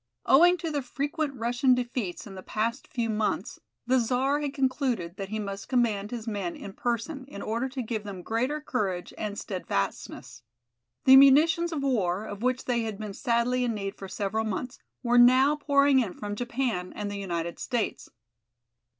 Owing to the frequent Russian defeats in the past few months, the Czar had concluded that he must command his men in person in order to give them greater courage and steadfastness. The munitions of war, of which they had been sadly in need for several months, were now pouring in from Japan and the United States.